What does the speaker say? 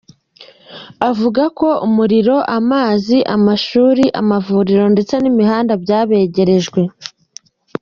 Avuga ko umuriro, amazi, amashuri, ivuriro ndetse n’imihanda byabegerejwe.